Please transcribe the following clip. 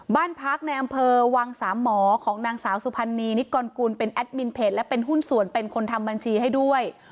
บ้านพักในอำเภอวังสามหมอของนางสาวสุพรรณีนิกรกุลเป็นแอดมินเพจและเป็นหุ้นส่วนเป็นคนทำบัญชีให้ด้วย